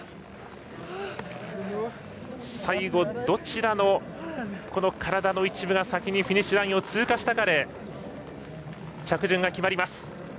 最後、どちらの体の一部が先にフィニッシュラインを通過したかで着順が決まります。